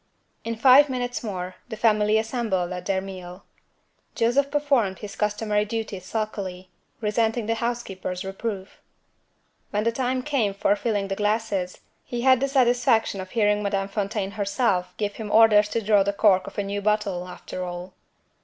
In five minutes more, the family assembled at their meal. Joseph performed his customary duties sulkily, resenting the housekeeper's reproof. When the time came for filling the glasses, he had the satisfaction of hearing Madame Fontaine herself give him orders to draw the cork of a new bottle, after all.